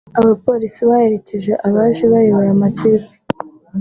Abapolisi baherekeje abaje bayoboye amakipe